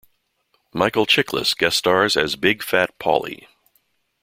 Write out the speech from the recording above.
Michael Chiklis guest stars as Big Fat Paulie.